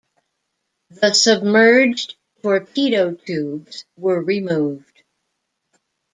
The submerged torpedo tubes were removed.